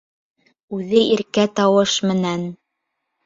Үҙе иркә тауыш менән: